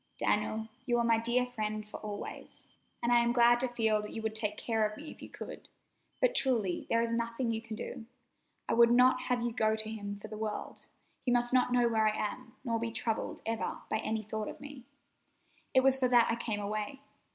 "Daniel, you are my dear friend for always, and I am glad to feel that you would take care of me if you could, but truly there is nothing you can do. I would not have you go to him for the world. He must not know where I am, nor be troubled ever by any thought of me. It was for that I came away.